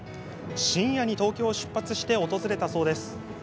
深夜に東京を出発して訪れたそうです。